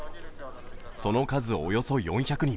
その数およそ４００人。